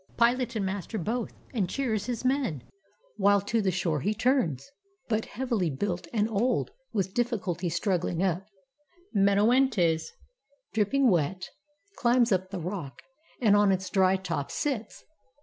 Pilot and master both, and cheers his men. While to the shore he turns. But heavily built And old, with difficulty struggling up, Menoetes, dripping wet, climbs up the rock. And on its dry top sits.